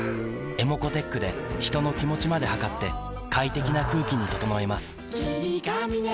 ｅｍｏｃｏーｔｅｃｈで人の気持ちまで測って快適な空気に整えます